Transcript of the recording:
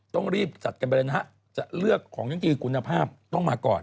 ต้องรีบจัดกันไปเลยนะฮะจะเลือกของจริงคุณภาพต้องมาก่อน